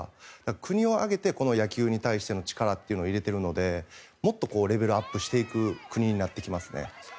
国を挙げて野球に対して力を入れているのでもっとレベルアップしていく国になってきますね。